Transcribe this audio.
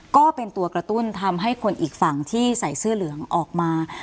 ก็เป็นตัวกระตุ้นทำให้คนอีกฝั่งที่ใส่เสื้อเหลืองออกมา